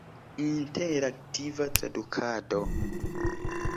Interaktiva tradukado.